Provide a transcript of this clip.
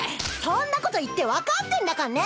そんなこと言って分かってんだかんね！